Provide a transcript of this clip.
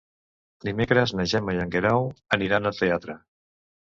Dimecres na Gemma i en Guerau aniran al teatre.